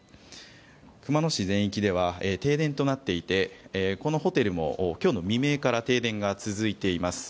熊野市全域では停電となっていてこのホテルも今日の未明から停電が続いています。